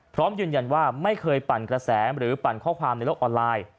พร้อมยืนยันว่าไม่เคยปั่นกระแสหรือปั่นข้อความในโลกออนไลน์